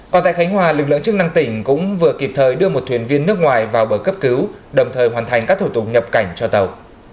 còn tại khánh hòa lực lượng chức năng tỉnh cũng vừa kịp thời đưa một thuyền viên nước ngoài vào bờ cấp cứu đồng thời hoàn thành các thủ tục nhập cảnh cho tàu